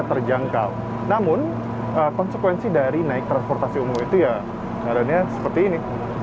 terjangkau namun konsekuensi dari naik transportasi umum itu ya keadaannya seperti ini